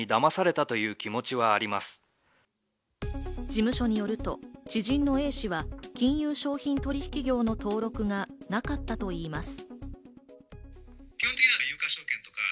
事務所によると、知人のＡ氏は金融商品取引業の登録がなかったといいます。